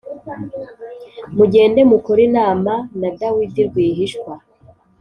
mugende mukore inama na Dawidi rwihishwa.